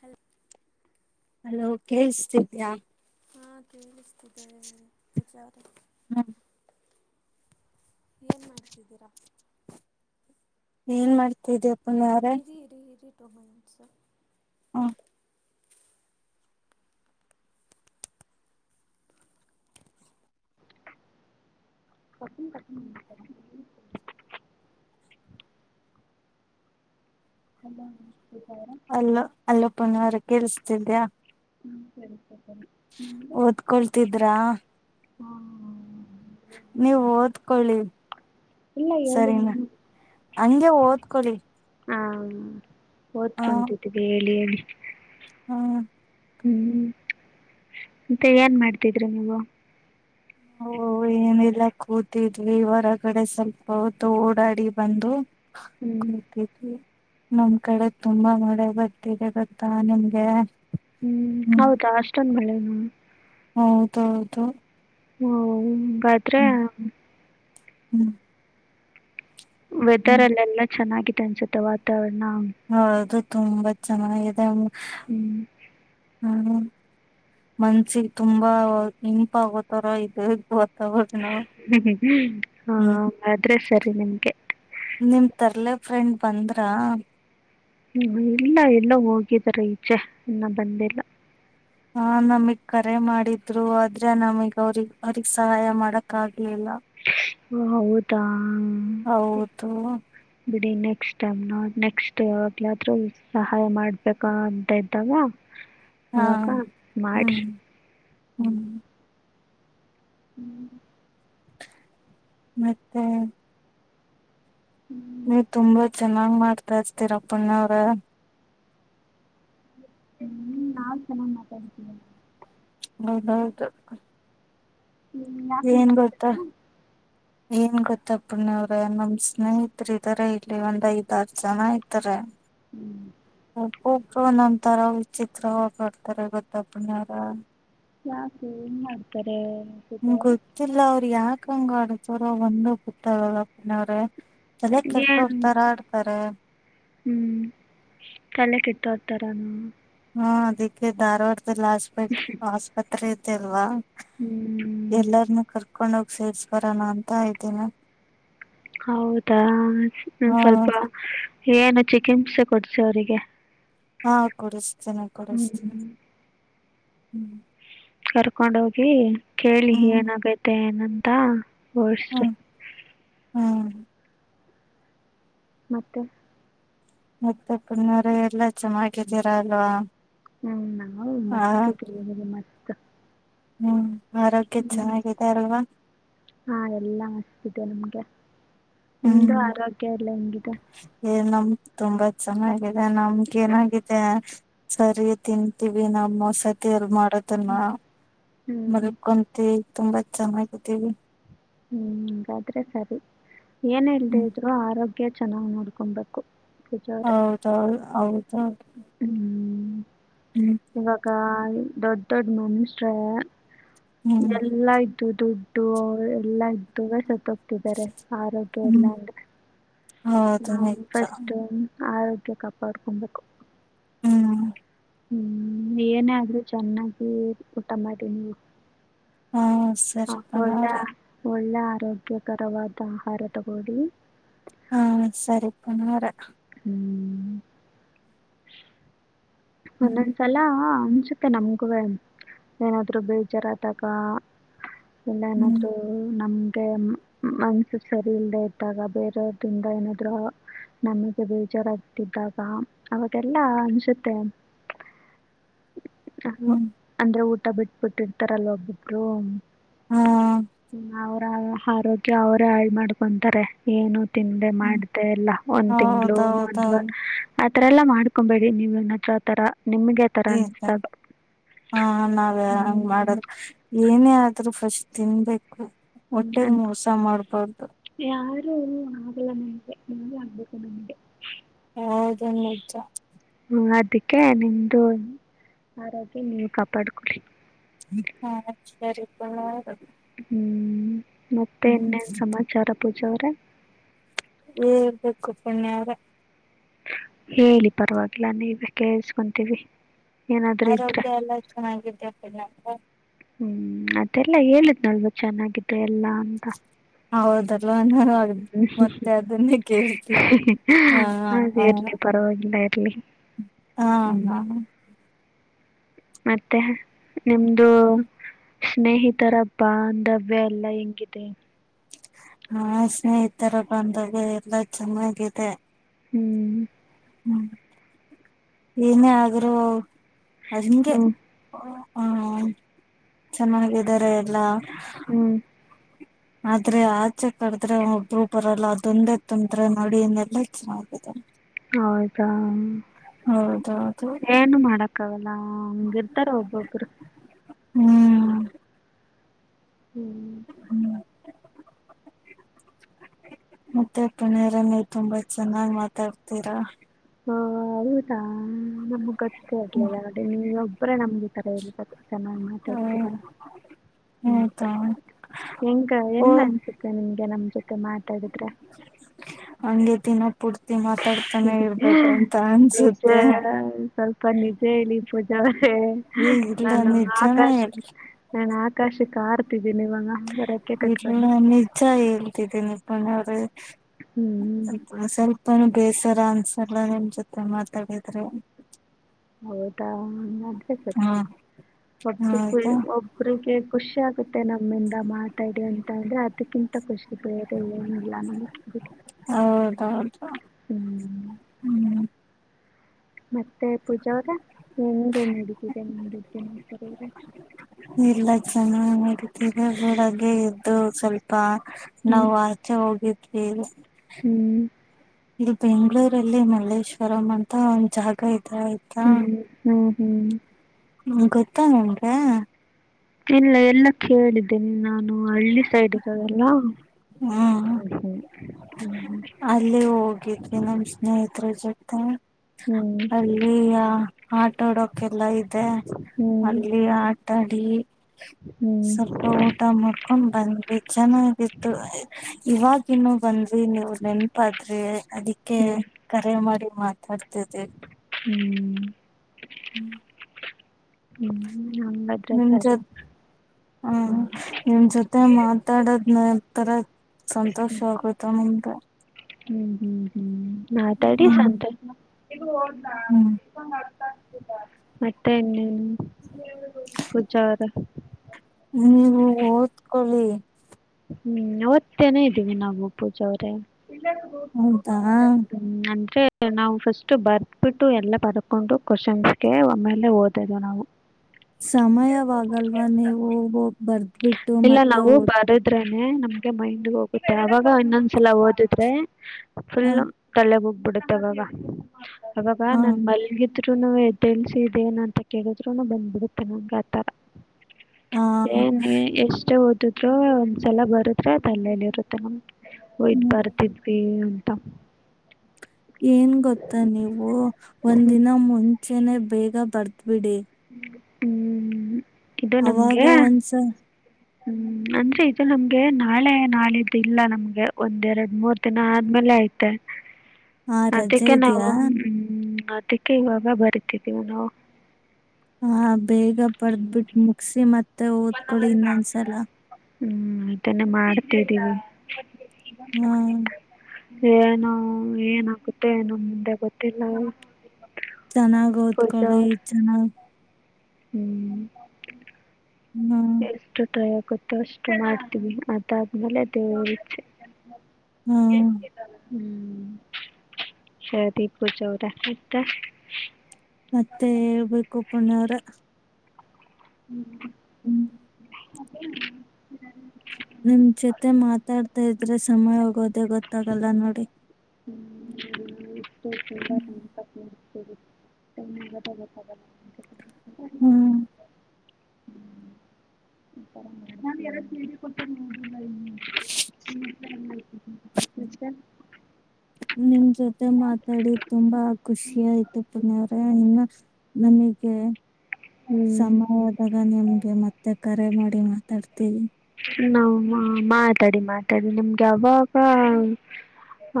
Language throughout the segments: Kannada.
ಹಲ್. ಅಲೋ ಕೇಳ್ಸತಿದ್ಯಾ. ಹಾ. ಕೇಳುಸ್ತಿದೆ ಪೂಜವ್ರೆ. ಏನ್ ಮಾಡ್ತಿದ್ದೀರಾ. ಏನ್ ಮಾಡ್ತಿದ್ಯ ಇರಿ ಇರಿ ಇರಿ. ರೋಮ್ಯಾನ್ಸ. ಹ. [unintelligible] ಕಟುಮ್ ಕಟುಮ್ ಅಂತರ. ಹಲೋ ಅಲ್ಲ ಅಲ್ಲಪ್ಪ ನವ್ರೆ ಕೇಳಿಸತಿದ್ಯಾ? ಹ್ಮ ಸರಿ ಸರಿ ಓದ್ಕೊಳ್ತಿದ್ರಾ? ಹಾಂ ನೀವ್ ಓದ್ಕೊಳ್ಳಿ ಇಲ್ಲ ಹೇಳಿ ಸರಿನಾ ಏನು ಹಂಗೆ ಓದ್ಕೋಳಿ. ಹಾಂ ಓದ್ಕೊಂತಿದ್ದೀವಿ ಹೇಳಿ ಹೇಳಿ [inaudible] ಹ್ಮ ಹ್ಮ್ ಮತ್ತೆ ಏನ್ ಮಾಡ್ತಿದ್ರಿ ನೀವು ಹೊ ಏನಿಲ್ಲ ಕೂತಿದ್ವಿ ಹೊರಗಡೆ ಸ್ವಲ್ಪ ಹೊತ್ತು ಓಡಾಡಿ ಬಂದು ಹ್ಮ್ ಕೂತಿದ್ವಿ ನಮ್ ಕಡೆ ತುಂಬಾ ಮಳೆ ಬರ್ತಿದೆ ಗೊತ್ತಾ ನಿಮ್ಗೆ. ಹ್ಮ್ ಹೌದಾ ಅಷ್ಟೊಂದ್ ಮಳೆ ಹ್ಮ್ ಹೌದೌದು ಹಾ ಆಮ್ ಆದ್ರೆ ಹ್ಮ್ ಹ್ಮ್ ವೆದರ್ ಹ್ಮ್ ಅಲ್ಲೆಲ್ಲ ಚೆನ್ನಾಗಿತ್ ತ್ ಆನ್ಸುತ್ತೆ ವಾತಾವರಣ ಹೌದು ತುಂಬಾ ಚೆನ್ನಾಗಿದೆ. ಹ್ಮ್ ಹ್ಮ್ ಮನ್ಸಿಗೆ ತುಂಬಾ ಇಂಪಾಗೋತರ ಇದೆ ಗೊ ಹ್ಮ ಹ ಹ್ಮ್ ಹಾ ಆದ್ರೆ ಸರಿ ನಿಮ್ಗೆ ನಿಮ್ ತರ್ಲೆ ಫ್ರೆಂಡ್ ಬಂದ್ರ? ಹ್ಮ ಇಲ್ಲ ಎಲ್ಲೋ ಹೋಗಿದ್ದಾರೆ ಈಚೆ ಇನ್ನ ಬಂದಿಲ್ಲ. ಹ ನಮಿಗ್ ಕರೆ ಮಾಡಿದ್ರು ಆದ್ರೆ ನಮಿಗ್ ಅವ್ರ್ಗ್ ಅವ್ರಿಗ್ ಸಹಾಯ ಮಾಡಕ್ ಆಗ್ಲಿಲ್ಲ. ಓ ಹೌದಾ ಹೌದು ಬಿಡಿ ನೆಕ್ಸ್ಟ್ ಟೈಮ್ ನ ನೆಕ್ಸ್ಟ್ ಯಾವಾಗ್ಲಾದ್ರೂ ಸಹಾಯ ಮಾಡ್ಬೇಕ ಅಂತ ಇದ್ದಾಗ ಹಾ ಅವಾಗ ಹ್ಮ್ ಮಾಡಿರಿ ಹ್ಮ್ ಹ್ಮ್ ಮತ್ತೆ ನೀ ತುಂಬಾ ಚೆನ್ನಾಗ್ ಮಾಡ್ತಾ ಇರ್ತೀರಪ್ಪಣ್ಣ ವ್ರೆ ಹ್ಮ್ ನಾವ್ ಚೆನ್ನಾಗ್ ಮಾತ್ ತ್ಯಾಂಕ್ ಯು ಹೌದೌದು ಹ್ಮ್ ಯಾಕ್ ನೀನ್ ಏನ್ ಗೊತ್ತಾ [unintelligible] ಏನ್ ಗೊತ್ತ ಪೂರ್ಣ ಅವ್ರೆ ನಮ್ ಸ್ನೇಹಿತರು ಇದಾರೆ ಇಲ್ಲಿ ಒಂದ್ ಐದಾರ್ ಜನ ಇದಾರೆ. ಹ್ಮ್ ಒಬ್ರು ಒನ್ನೊಂತರ ವಿಚಿತ್ರವಾಗ್ ನೋಡ್ತಾರೆ ಗೊತ್ತ ಪುಣ್ಯ ಅವ್ರೆ ಯಾಕೆ ಏನ್ ಮಾಡ್ತಾರೆ. ಸುಜಾ ಅವರೇ ಗೊತ್ತಿಲ್ಲ ಅವ್ರ್ ಯಾಕ್ ಕ್ ಹಂಗಾಡ್ತಾರೋ ಒಂದು ಗೊತ್ತಾಗಲ್ಲ ಪುಣ್ಯ ಅವ್ರೆ ತಲೆ ಕೆಟ್ಟೋರ್ ತರ ಆಡ್ತಾರೆ. ಹ್ಮ್ ತಲೆ ಕೆಟ್ಟೋರ್ತರನ? ಹಾ ಅದಿಕ್ಕೆ ದಾರ್ವಾಡ್ ಲ್ಲ ಹಾಸ್ಬಿಟ್ ಆಸ್ಪತ್ರೆ ತೆಲ್ವಾ ಹ್ಞೂ ಎಲ್ಲಾರ್ನು ಕರ್ ಕಕೊಂಡ ಹೋಗಿ ಸೇರ್ಸ್ ಬರೋಣ ಅಂತ ಇದೀನಿ. ಹೌದಾ ಹ್ಮ್ ಹಾ ಸ್ವಲ್ಪ ಏನು ಚಿಕಿಮ್ಸೆ ಕೊಡ್ಸ್ ಅವ್ರಿಗೆ ಹಾ ಕೊಡಸ್ತಿನಿ ಕೊಡಸ್ತಿನಿ. ಹ್ಮ್ ಕರ್ಕೊಂಡು ಹೋಗಿ ಕೇಳಿ ಹ್ಮ್ ಏನಾಗೈತೆ ಏನು ಅಂತ ವೊರ್ಸ್ಟ್ ಹ್ಮ್ ಹ್ಮ್ ಮತ್ತೆ. ಮತ್ತೆ ಪನ್ನಾರ ಎಲ್ಲಾ ಚೆನ್ನಾಗಿದ್ದೀರಾ ಅಲ್ವಾ ಹ್ಮ್ ನಾವು ಹ ಮಸ್ತ್ ಇ ಮಸ್ತ್ ಸಾ ಹ್ಮ್ ಆರೋಗ್ಯ ಹ್ಮ್ ಚೆನ್ನಾಗಿದೆ ಅಲ್ವಾ ಹಾ ಎಲ್ಲಾ ಹಷ್ಟಟ್ಟ ಕ್ಯ ನಿಮ್ದು ಹ್ಮ್ ಆರೋಗ್ಯ ಎಲ್ಲ ಹೆಂಗಿದೆ ಏ ನಮ್ ತುಂಬಾ ಚೆನ್ನಗಿದೆ ನಮ್ಗೆ ಏನಾಗಿದೆ ಸರಿ ತಿಂತೀವಿ ನಮ್ಮಸತಿ ಎರ್ ಮಾಡ ತನ್ನ ಹ್ಮ್ ಮಲ್ಕೊಂಟತಿವಿ ತುಂಬಾ ಚೆನ್ನಾಗಿದಿವಿ ಹ್ಮ್ ಹಾದ್ರೆ ಸರಿ ಏನ್ ಇಲ್ದೆ ಹ್ಮ್ ಇದ್ರು ಆರೋಗ್ಯ ಚೆನ್ನಾಗ ನೋಡ್ಕೊಬೇಕು ಪೂಜಾ ಅವ್ರೆ ಹೌದೌ ಹೌದು ಔದು ಹೌ ಹ್ಮ್ ಇವಾಗ ದೊಡ್ಡ ದೊಡ್ಡ ಮನುಷರ ಹ್ಮ್ ಎಲ್ಲ ಇ ದುಡ್ಡು ಎಲ್ಲಾ ಇದ್ದು ಸ ಆರೋಗ್ಯ ಎಲ್ಲ ಹ್ಮ್ ಅಂದ್ರೆ ನ ಹೌದು ನಿಜ ಫಸ್ಟ್ ಆರೋಗ್ಯ ಕಾಪಾಡ್ಕೊಬೇಕು. ಹ್ಮ್ ಹ್ಮ್ ಏನ ಆದ್ರು ಚೆನ್ನಾಗಿ ಊಟ ಮಾಡಿ ನೀವು. ಹಾ ಆ, ಸರಿ ಪನ್ನಾರ ಒಳ್ಳೆ ಒಳ್ಳೆ ಆರೋಗ್ಯಕರವಾದ ಆಹಾರ ತಗೊಳಿ ಹಾ ಸರಿ ಪನಾರ. ಹ್ಮ್. ಹ್ಮ್ ಒಂದವಂದ ಸಲ ಮುಂಚುಕೆ ನಮ್ಗೆ ವೇ ಏನಾದ್ರು ಬೇಜಾರಾದಾಗ. ಇಲ್ಲ ಹ್ಮ್ ಏನಾದ್ರು ನಮ್ ಮನ್ಸು ಸರಿ ಇಲ್ಲದ ಇದ್ದಾಗ ಬೇರೆಯವ್ರಿಂದ ಏನಾದ್ರು ನಮಗೆ ಬೇಜಾರಾಗ್ತಿದ್ದಾಗ ಅವಾಗೆಲ್ಲಾ ಅನ್ಸುತ್ತೆ ಹ ಹ್ಮ್ ಅಂದ್ರೆ ಊಟ ಬಿಟ್ಟು ಬಿಟ್ಟಿರ್ತಾರಲ್ ಒಬ್ಬಟ್ಟರು ಹಾ ಹ್ಮ ಅವ್ರ ಆರೋಗ್ಯ ಅವರೇ ಹಾಳ್ ಮಾಡ್ಕೊಂತಾರೆ ಏನು ತಿಂದೆ ಹ್ಮ್ ಮಾಡ್ದೆ ಎಲ್ಲ. ಒಂದ್ ತಿಂಗಳು ಒಂದವ ಹೌದೌದೌದು ಆ ತ ಅದೆಲ್ಲ ಮಾಡ್ಕೊಂಬೇಡಿ ನೀವುನ ಚ. ತಡ. ಎ ತಡಿ ಹಾ ನಾವ್ ಹಂಗ್ ಹ್ಞೂ ಮಾಡದು ಏನೇ ಆಗ್ ದ್ರು ಫಸ್ಟ್ ತಿನ್ಬೇಕ್ ಕು ಹೊಟ್ಟೇಗ್ ಮೋಸ ಮಾಡ್ಬಾರ್ದು. ತೃ ಏನು ಆಗಲ್ಲ ನನ್ಗೆ ನೆಗ್ಡಿ ಆಗ್ಬೇಕು ನನ್ಗೆ. ಹೌದು ನಿಜ. ಹು ಅದಕ್ಕೆ ನಿಮ್ದು ಆರೋಗ್ಯ ನೀವ್ ಕಾಪಾಡ್ಕೊಳಿ. [unintelligible] ಸರಿಪ. [unintelligible] ಹ್ಞೂ ಮತ್ತೆ ಇನ್ನೇನ್ ಸಮಾಚಾರ. ಪೂಜೋವ್ರೆ. ನೀವ್ ಹೇಳ್ಬೇಕು ಪುಣ್ಯಾವ್ರೆ. ಹೇಳಿ ಪರ್ವಾಗಿಲ್ಲ ನೀವೆ ಕೇಳ್ಸ್ಕೊಂತೀವಿ. ಆರೋಗ್ಯ ಎಲ್ಲ ಚೆನ್ನಾಗಿದ್ಯ ಪುಣ್ಯವ್ರೆ. ನಲ್ವ ಚೆನ್ನಾಗಿದೆ ಎಲ್ಲಾ ಅಂತ. ಹೌದದ್ ಓನರು ಅದ್ ಮತ್ತೆ ಅದನ್ನೇ ಕೇಳ್ತಿ ಹ ಅದು ಹ ಇರ್ಲಿ ಪರವಾಗಿಲ್ಲ ಇರ್ಲಿ ಹ. ಮತ್ತೆ ನಿಮ್ದು ಸ್ನೇಹಿತರ ಬಾಂಧವ್ಯ ಎಲ್ಲ ಹೆಂಗಿದೆ? ಹಾ ಸ್ನೇಹಿತರ ಬಾಂದವ್ಯ ಎಲ್ಲಾ ಚೆನ್ನಾಗಿದೆ. ಹ್ಮ್ ಹ್ಮ್ ಏನೇ ಆದ್ರು ಅದ್ ಹಿಂಗೆ ಹ್ಮ್ ಓ ಹ್ಮ ಚೆನ್ನಾಗಿದ್ದಾರೆ ಎಲ್ಲಾ ಹ್ಮ್ ಆದ್ರೆ ಆಚೆ ಕರದ್ರೆ ಒಬ್ಬರು ಬರಲ್ಲ ಅದೊಂದೇ ತೊಂದ್ರೆ ನೋಡಿ ಇನ್ನೆಲ್ಲ ಚೆನ್ನಾಗಿದೆ. ಹೌದಾ ಹೌದೌದು ಏನು ಮಾಡ ಕಾಗಲ್ ಲಾ ಹಂಗಿರ್ತಾರ್ ಒಬ್ಬೊಬ್ರು. ಹ್ಮ್ ಹ್ಮ್ ಮತ್ತೆಪ್ಪಣೇರಲ್ಲಿ ತುಂಬಾ ಚೆನ್ನಾಗ್ ಮಾತಾಡ್ತೀರಾ [unintelligible] ಹ ಹಊದಾ ಹ್ಮ ನಮ್ಗ್ ಗೊತ್ತ ಆಗ್ಲಿಲ್ಲ ನೋಡಿ [unintelligible] [inaudible] ನೀವು ಕರೆ ಅಲ್ಲಿ ಚೆನ್ನಾಗ್ ಮಾತಾಡ್ತೀರ ಹೌದಾ ಹಂತ ಹೆಂಗ ಓ ಹೆಂಗ್ ಅನ್ಸುತ್ತೆ ನಿಮ್ಗೆ ನಮ್ ಜೊತೆ ಮಾತಾಡಿದ್ರೆ ಹಂಗೆ ದಿನ ಪೂರ್ತಿ ಮಾತಾಡ್ತಾನೆ ಇರಬೇಕಂತ ಅನ್ಸುತ್ತೆ ಪಾ ನಿಜೆ ಹೇಳಿ ಪೂಜಾ [unintelligible] ಏ ಇಲ್ಲ ನಾನು ನಿಜಾನೇ ಆಕಾಶಕ್ಕೆ ನ ಕ ಶಿಕಾರ್ತಿ [inaudible] ಇಲ್ಲ ನಿಜ ಹೇಳ್ತಿದಿನಿ ಹ ಅವ್ರ ಹ್ಮ್ [inaudible] ಅಲ್ಪ ಸ್ವಲ್ಪ ಬೇಸರ ಅನ್ಸಲ್ಲ ನಿಮ ಜೊತೆ ಮಾತಾಡಿದ್ರೆ ಹೌದಾ ಅಂದ್ರೆ ಸರಿ ಹಾ ಒಟ್ಟಿಗೆ ಹೌದಾ ಒಬ್ರಿಗೆ ಖುಷಿ ಆಗ್ತಾ ಮತ್ತೆ ನಮ್ಮಿಂದ ಮಾತಾಡಿ ಅಂತ ಅಂದ್ರೆ ಅದಕ್ಕಿಂತ ಖುಷಿ ಬೇರೆ ಏನಿಲ್ಲ ನಮಗೆ ಬಿಡಿ ಹೌದೌದು ಹ್ಮ್ ಹ್ಮ್ ಮತ್ತೆ ಪೂಜಾ ಅವ್ರೆ ಯಂಗ್ ನಡೀತಿದೇ ನಿಮ್ ದಿನಚರಿ ರೀ ಇಲ್ಲ ಚೆನ್ನಾಗಿ ನಡತಿತೆ ಬೆಳಗೆ ಎದ್ದು ಸ್ವಲ್ಪ ನಾವು ಹ್ಮ್ ಆಚೆ ಹೋಗಿ ಎನು ಹ್ಮ್ ಇಲ್ಲಿ ಬೆಂಗಳೂರಲ್ಲಿ ಮಲ್ಲೇಶ್ವರಂ ಅಂತ ಒಂದ್ ಜಾಗ ಇದೇ ಹ್ಮ್ ಹ್ಮ ಹ್ಮ್ ಗೊತ್ತ ನಿಮಗೆ ಇಲ್ಲ ಎಲ್ಲ ಕೇಳಿದ್ದೀನಿ ನಾನು ಹಳ್ಳಿ ಸೈಡ್ಗ್ ಇರೋಲ್ಲ ಹಾ ಹ್ಮ್ ಅಲ್ಲಿ ಹೋಗಿದ್ವಿ ನಮ ಸ್ನೇಹಿತರೆ ಜೊತೆ ಹ ಅಲ್ಲಿಯ ಆಟೋ ಡೋ [inaudible] ಕ್ಕೆಲ್ಲಾ ಇದೆ ಹ್ಮ್ ಹ್ಮ್ ಅಲ್ಲಿ ಆಟ ಆ [inaudible] ಹ್ಮ್ ಹ್ಮ್ ಸ್ವಲ್ಪ ಊಟ ಮಾಡ್ಕೊಂಡ್ ಬಂದ್ವಿ. ಚೆನ್ನಾಗಿತ್ತು ಅಯ್ ಇವಾಗಿನ್ನು ಬಂದ್ ನೀವು ನೆನ್ಪಾದ್ರಿ ಅದಿಕ್ಕೆ ಕರೆ ಮಾಡಿ ಮಾ ತಾಡ್ ತಿರ್ತೀವ್. ಹ್ಮ್ ಹ್ಮ್ ಹ್ಮ್ ಹಂಗಾದ್ರೆ ನಿಮ ಸರಿ ಜೊತ್ ಹ್ಮ್ ನಿಮ್ ಜೊತೆ ಮಾತಾಡೋದ್ ನಂತರ ಸಂತೋಷ ಆಗೋಯ್ತು ನಂಗೆ. ಹ್ಮ್ ಹ್ಮ್ ಹ್ಮ್ ಮಾತಾಡಿ ಹ್ಮ್ ಸಂತೊ ಇದ್ ಹೋದ್ನಾ ಹ್ಮ್ ಇಷ್ಟೊಂದ್ ಅರ್ಥ ಮತ್ತೆನ್ನು ಹ್ಮ ಪುಜಾರ ಹ್ಮ್ ಓದ್ಕೋಳಿ ಹ್ಮ್ ಓತ್ತೇನೆ ಇದ್ದೀವಿ ನಾವು ಪೂಜ ಅವ್ರೇ ಹೌದಾ ಹ್ಮ್ ಅಂದ್ರೆ ನಾವು ಫಸ್ಟ್ ಬರ್ದಬಿಟ್ಟು ಎಲ್ಲ ಬರ್ಕೊಂಡು ಕ್ವಶನ್ಸ್ಗೆ ಆ ಮೇಲೆ ಓದದು ನಾವು. ಸಮಯವಾಗಲ್ವ ನೀವು ಹೋಗ್ ಬರ್ ಇಲ್ಲ ನಾವು ಬರುದ್ರೆನೆ. ಎ ನಮ್ಗೆ ಮೈಂಡ್ ಹೋಗುತ್ತೆ ಅವಾಗ ಇನ್ನೊಂದ್ಸಲ ಓದುದ್ರೆ. ಆ ಫುಲ್ಲು ತಲೆ ಹೋಗ್ ಬುಡುತ್ ಅವಾಗ. ಆವಾಗ ಆ ನಾನ್ ಮಲ್ಗಿದ್ರ್ ದ್ರುನುವೆ ಎದ್ದೇಳ್ಸಿ ಇದ್ ಏನಂತ ಕೇಳಿದ್ರುನು ಬಂದ್ಬಿಡುತ್ತೆ ನಂಗ್ ಆತರ. ಹಾ. ಎಷ್ಟೇ ಓದುದ್ರು ಒಂದ್ಸಲ ಬರುದ್ರೆ ತಲ್ಲೇಲ್ ಇರುತ್ತೆ ನಮ್ಗ್ ಓ ಇದ್ ಹ್ಮ್. ಬರ್ದಿದ್ವಿ ಅಂತ. ಏನ್ ಗೊತ್ತ ನೀವು ಒಂದಿನ ಮುಂ ಚೆನೆ ಬೇಗ ಬರ್ದ್ ಬಿಡಿ. ಹ್ಮ್. ಅವಾಗ ಒಂದ್ಸ. ಹ್ಮ್ ಅಂದ್ರೆ ಇದು ನಮ್ಗೆ ನಾಳೆ ನಾಳಿದ್ ಇಲ್ಲ ನಮ್ಗೆ ಒಂದ್ ಎರ್ಡ್ ಮೂರ್ ದಿನ ಆದ್ಮೇಲೆ ಐತೆ. ಆ ರಜೆ ಅದಕ್ಕೆ ನವು ಇದೆಯಾ ಹ್ಮ್ ಅ ಅದಿಕ್ಕೆ ಇವಾಗ ಬರೀತಿದ್ದೀವ್ ನಾವು. ಹಾ ಬೇಗ ಬರ್ದ್ ಬುಟ್ ಮುಗ್ಸಿ ಮತ್ ತ್ತೆ ಓದ್ಕೊಳಿ ಇನ್ನೊಂದ್ಸಲ. ಹ್ಮ್ ಇದನ್ನೇ ಮಾಡ್ತಿದ್ದೀವಿ. ನ್ಯ. ಏನೂ ಏನ್ ಆಗುತ್ತೆ ಏನೂ ಮುಂದೆ ಗೊತ್ತಿಲ್ಲ. ಚೆನ್ನಾಗ್ ಓದ್ಕೊಳಿ ಚೆನ್ನಾಗ್. ಹ್ಮ್. ಹಾ ಎಷ್ಟು ಟ್ರಯ ಗೊತ್ತವಷ್ಟ ಮಾಡ್ತೀವಿ ಅದಾದ್ಮೇಲೆ ಅ ದೇವ್ರ್ ಇಚ್ಛೆ. ಹ್ಮ. ಹ್ಮ್ ಸರಿ ಪೂಜಾವ್ರೆ ಆಯ್ತ. ಮತ್ತೆ ಹೇಳ್ಬೇಕು. ಪುಣ್ಯವ್ರೆ. ಹ್ಮ್. ಹ್ಮ್. [unintelligible] ಏನು ಓದ್ತಿರ. ನಿಮ್ ಜೊತೆ ಮಾತಾಡ್ತಾ ಇದ್ರೆ ಸಮಯ ಹೋಗೋದೆ ಗೊತ್ತಾಗಲ್ಲ ನೋಡಿ. [unintelligible] ಸರಿ ಟೈಂ ಹೋಗದೆ ಗೊತ್ತಾಗಲ್ಲ. ಹ್ಮ್. [unintelligible] ನಿಮ್ ಜೊತೆ ಮಾತಾಡಿ ತುಂಬಾ ಖುಷಿ ಆಯ್ತು ಪುಣ್ಯವ್ರ ಇನ್ನ ನಮಿಗೆ. ಹ್ಞೂ ಸಮಯ ಆದಾಗ ನಿಮ್ಗೆ ಮತ್ತೆ ಕರೆ ಮಾಡ್ ಎ ಮಾತಾಡ್ತಿವಿ. ನಾವ್ ಮಾತಾಡಿ ಮಾತಾಡಿ ನಿಮ್ಗ ಯಾವಾಗ ಆ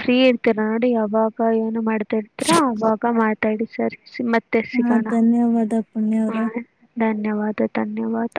ಫ್ರೀ ಇರ್ತೀರ ನೋಡಿ ಯಾವಾಗ ಏನು ಮಾಡ್ತಾ ಇರ್ತೀರಾ ಅವಾಗ ಮಾತಾಡಿ ಸರಿಸ್ ಮಾ ಹಾ ಧನ್ಯವಾದ ಪುಣ್ಯವ್ರೆ. ಧನ್ಯವಾದ ಧನ್ಯವಾದ.